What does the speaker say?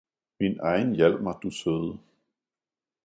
min egen Hjalmar, du søde!